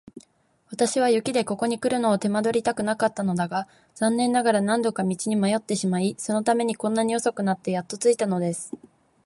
私は雪でここにくるのを手間取りたくなかったのだが、残念ながら何度か道に迷ってしまい、そのためにこんなに遅くなってやっと着いたのです。